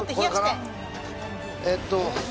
えっと